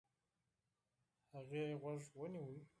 هغې غوږ ونيو.